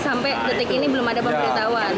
sampai detik ini belum ada pemberitahuan